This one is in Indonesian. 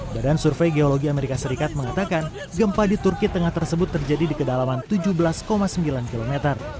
badan survei geologi amerika serikat mengatakan gempa di turki tengah tersebut terjadi di kedalaman tujuh belas sembilan km